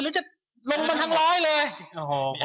หรือจะลงมาร้อยเลย